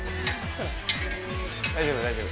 大丈夫大丈夫。